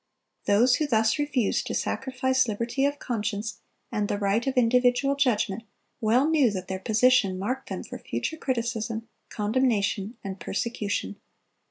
Those who thus refused to sacrifice liberty of conscience and the right of individual judgment, well knew that their position marked them for future criticism, condemnation, and persecution.